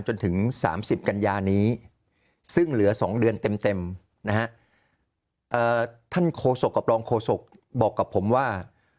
จนถึง๓๐กันยานี้ซึ่งเหลือ๒เดือนเต็มนะฮะท่านโคศกกับรองโฆษกบอกกับผมว่า